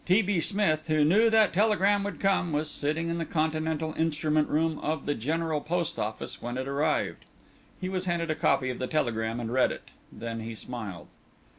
T. B. Smith, who knew that telegram would come, was sitting in the Continental instrument room of the General Post Office when it arrived. He was handed a copy of the telegram and read it. Then he smiled.